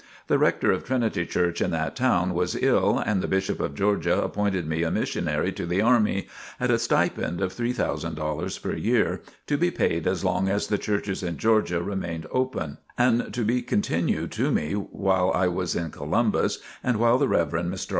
The rector of Trinity Church in that town was ill, and the Bishop of Georgia appointed me a Missionary to the Army, at a stipend of $3,000 per year, to be paid as long as the churches in Georgia remained open, and to be continued to me while I was in Columbus and while the Rev. Mr.